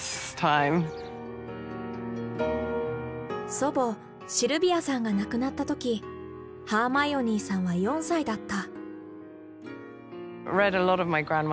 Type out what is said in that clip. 祖母シルビアさんが亡くなった時ハーマイオニーさんは４歳だった。